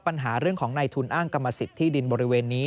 ปัญหาเรื่องของในทุนอ้างกรรมสิทธิดินบริเวณนี้